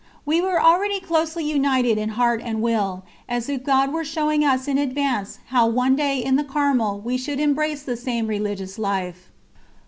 We were already closely united in heart and will, as if God were showing us in advance how one day in the Carmel we should embrace the same religious life.